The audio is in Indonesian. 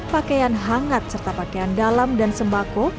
pakaian hangat serta pakaian dalam dan sembako